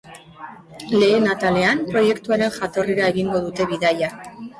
Lehen atalean, proiektuaren jatorrira egingo dute bidaia.